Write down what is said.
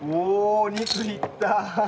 お肉にいった！